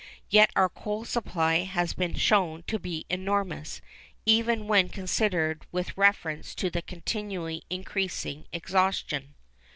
Yet our coal supply has been shown to be enormous, even when considered with reference to the continually increasing exhaustion.